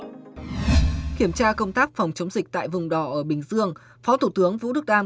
kiểm tra công tác phòng chống dịch tại vùng đỏ ở bình dương phó thủ tướng vũ đức đam